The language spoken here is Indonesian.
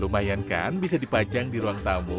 lumayan kan bisa dipajang di ruang tamu